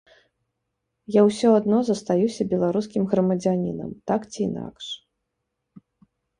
Я ўсё адно застаюся беларускім грамадзянінам так ці інакш.